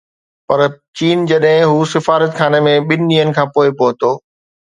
پرچين جڏهن هو سفارتخاني ۾ ٻن ڏينهن کان پوءِ پهتو